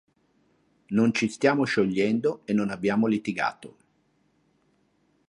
Non ci stiamo sciogliendo e non abbiamo litigato.